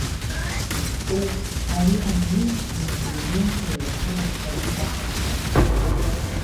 Ҵоуп, ари анҩыз аинтеллигенциа еиҳарак ргәы каҳан иҟан.